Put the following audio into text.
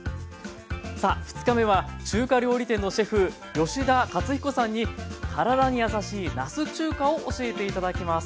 さあ２日目は中華料理店のシェフ吉田勝彦さんに体にやさしいなす中華を教えていただきます。